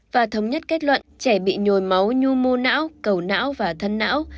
và thống nhất kết luận trẻ bị nhồi máu nhu mô não cầu não và thân não